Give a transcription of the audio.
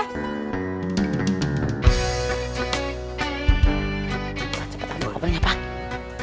cepet aja kabelnya pak